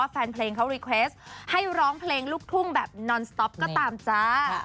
แฟนเพลงเขารีเควสให้ร้องเพลงลูกทุ่งแบบนอนสต๊อปก็ตามจ้า